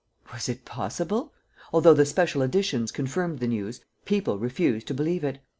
Was it possible? Although the special editions confirmed the news, people refused to believe it.